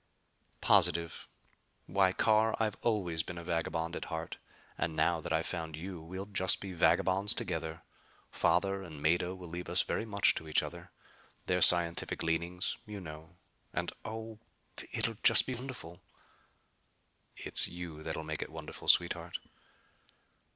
"Positive. Why Carr, I've always been a vagabond at heart. And now that I've found you we'll just be vagabonds together. Father and Mado will leave us very much to each other. Their scientific leanings, you know. And oh it'll just be wonderful!" "It's you that'll make it wonderful, sweetheart."